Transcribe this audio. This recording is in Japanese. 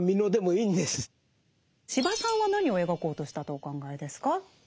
司馬さんは何を描こうとしたとお考えですか？